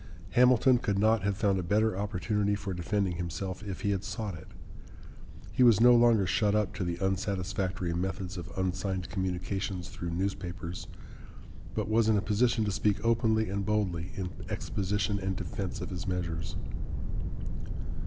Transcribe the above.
Hamilton could not have found a better opportunity for defending himself, if he had sought it. He was no longer shut up to the unsatisfactory methods of unsigned communications through newspapers, but was in a position to speak openly and boldly in exposition and defense of his measures.